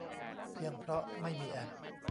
เพียงเพราะไม่มีแอป